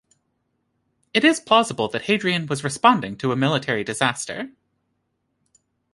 It is plausible that Hadrian was responding to a military disaster.